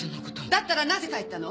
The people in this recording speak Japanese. だったらなぜ帰ったの？